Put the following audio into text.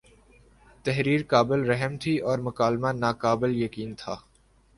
تحریر قابل رحم تھی اور مکالمہ ناقابل یقین تھا